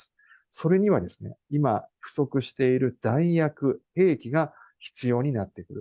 それには今、不足している弾薬、兵器が必要になってくる。